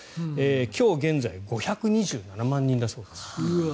今日現在５２７万人だそうです。